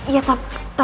ya tapi kan